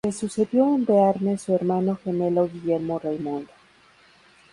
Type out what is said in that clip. Le sucedió en Bearne su hermano gemelo Guillermo Raimundo.